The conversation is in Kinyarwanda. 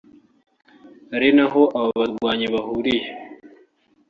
ari naho aba barwanyi bahungiye